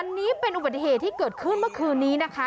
อันนี้เป็นอุบัติเหตุที่เกิดขึ้นเมื่อคืนนี้นะคะ